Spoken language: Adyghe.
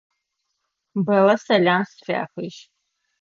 Бэллэ сэлам сфяхыжь.